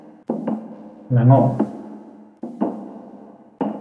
ลาโง่